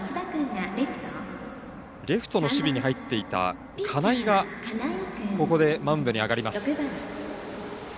レフトの守備に入っていた金井がここでマウンドに上がります。